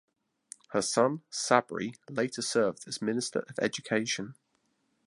Her son Sabri later served as Minister of Education.